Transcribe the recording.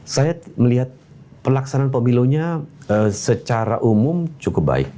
saya melihat pelaksanaan pemilunya secara umum cukup baik